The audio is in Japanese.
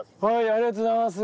ありがとうございます。